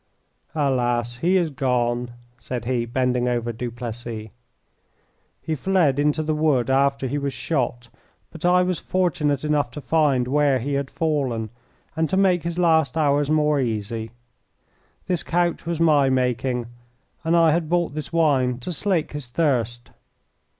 "Alas, he is gone!" said he, bending over Duplessis. "He fled into the wood after he was shot, but I was fortunate enough to find where he had fallen and to make his last hours more easy. This couch was my making, and I had brought this wine to slake his thirst."